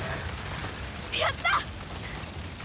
やったー！